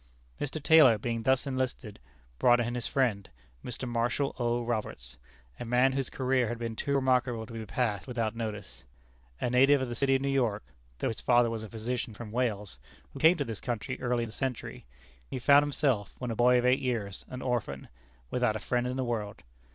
Mr. Taylor, being thus enlisted, brought in his friend, Mr. Marshall O. Roberts a man whose career has been too remarkable to be passed without notice. A native of the City of New York, (though his father was a physician from Wales, who came to this country early in this century,) he found himself, when a boy of eight years, an orphan, without a friend in the world.